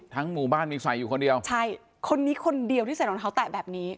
หมู่บ้านมีใส่อยู่คนเดียวใช่คนนี้คนเดียวที่ใส่รองเท้าแตะแบบนี้